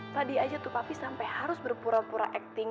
tadi aja tuh papi sampe harus berpura pura acting